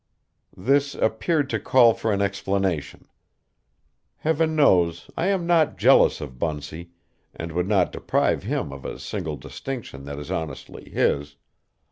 This appeared to call for an explanation. Heaven knows I am not jealous of Bunsey, and would not deprive him of a single distinction that is honestly his.